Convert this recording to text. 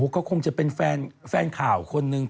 ก็คงจะเป็นแฟนข่าวคนนึง